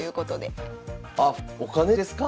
あお金ですか？